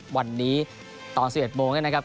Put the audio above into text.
วันนี้ตอนสิบเอ็ดโมงนะครับ